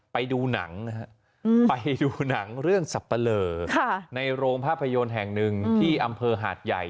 ไปดูหนังนะฮะไปดูหนังเรื่องสับปะเลอในโรงภาพยนตร์แห่งหนึ่งที่อำเภอหาดใหญ่